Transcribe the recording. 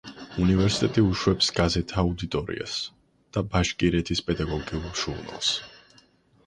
უნივერსიტეტი უშვებს გაზეთ „აუდიტორიას“ და „ბაშკირეთის პედაგოგიურ ჟურნალს“.